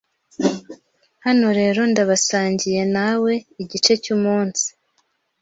hano rero ndabasangiye nawe igice cyumunsi: